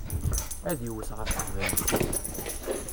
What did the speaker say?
Ad iwet ɣef teqbaylit.